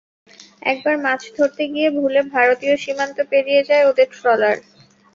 একবার মাছ ধরতে গিয়ে ভুলে ভারতীয় সীমান্ত পেরিয়ে যায় ওদের ট্রলার।